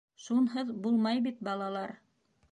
— Шунһыҙ булмай бит, балалар.